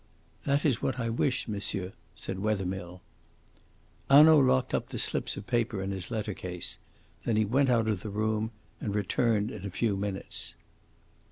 "That is what I wish, monsieur," said Wethermill. Hanaud locked up the slips of paper in his lettercase. Then he went out of the room and returned in a few minutes.